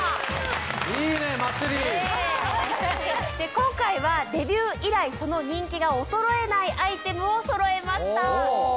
今回はデビュー以来その人気が衰えないアイテムをそろえました。